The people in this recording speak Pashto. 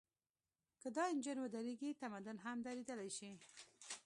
که دا انجن ودرېږي، تمدن هم درېدلی شي.